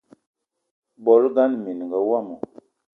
Bolo ngana minenga womo